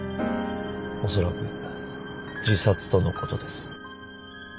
おそらく自殺とのことです。